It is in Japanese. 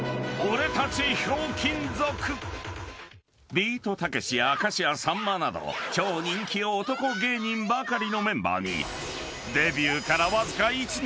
［ビートたけしや明石家さんまなど超人気男芸人ばかりのメンバーにデビューからわずか１年。